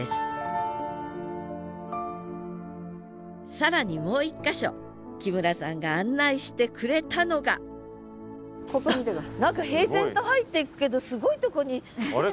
更にもう一か所木村さんが案内してくれたのが何か平然と入っていくけどすごいとこに。